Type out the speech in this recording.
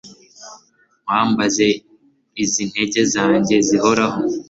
nkwambaze izi ntege zanjye zihora